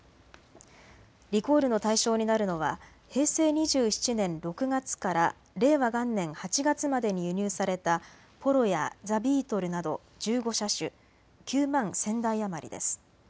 リコールの対象になるのは平成２７年６月から令和元年８月までに輸入されたポロやザ・ビートルなど１５車種、９万１０００台余りです。